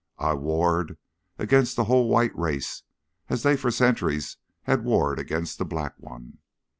I warred against the whole white race as they for centuries had warred against the black one.